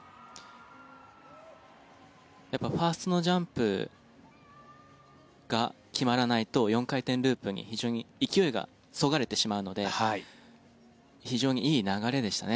ファーストのジャンプが決まらないと４回転ループ、非常に勢いがそがれてしまうので非常にいい流れでしたね